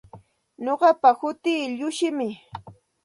Nuqapa hutii Llushim.